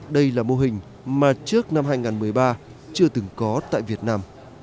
đây là mô hình mà trước năm hai nghìn một mươi ba chưa từng có tại việt nam